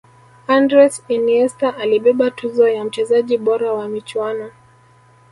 andres iniesta alibeba tuzo ya mchezaji bora wa michuano